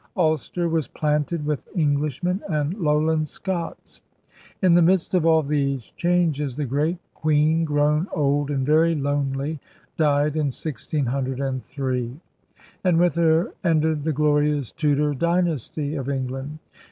Ulster was * planted' with Englishmen and Lowland Scots. In the midst of all these changes the great Queen, grown old and very lonely, died in 1603; and with her ended the glorious Tudor dynasty of England.